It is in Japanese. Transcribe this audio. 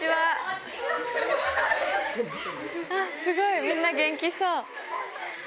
あっ、すごい、みんな元気そう。